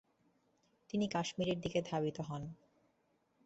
তিনি কাশ্মীরের দিকে ধাবিত হন।